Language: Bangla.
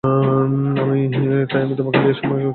তাই আমি তোমাকে বিয়ের সময় চুড়ি গুলো দেবো।